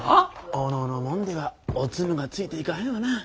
小野の者ではオツムがついていかへんわな。